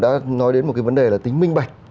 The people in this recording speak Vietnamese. đã nói đến một cái vấn đề là tính minh bạch